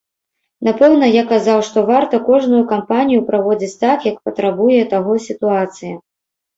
Напэўна, я казаў, што варта кожную кампанію праводзіць так, як патрабуе таго сітуацыя.